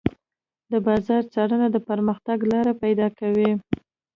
د بازار څارنه د پرمختګ لارې پيدا کوي.